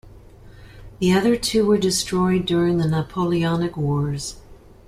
The other two were destroyed during the Napoleonic Wars.